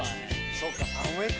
そうか寒いか。